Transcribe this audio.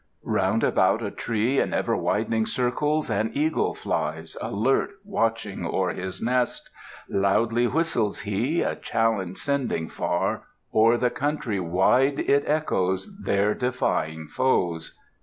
Round about a tree in ever widening circles an eagle flies, alert, watching o'er his nest; Loudly whistles he, a challenge sending far, o'er the country wide it echoes, there defying foes.